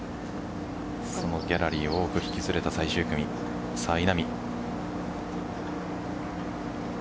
そのギャラリーを多く引き連れた最終組さあ、稲見。